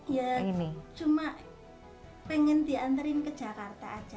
ya cuma pengen diantarin ke jakarta aja